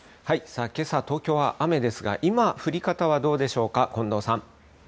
さあ、けさ、東京は雨ですが、今、降り方はどうでしょうか。